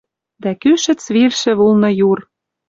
Дӓ кӱшӹц вилшӹ вулны юр.